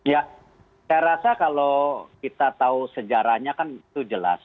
ya saya rasa kalau kita tahu sejarahnya kan itu jelas